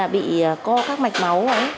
bị co các mạch máu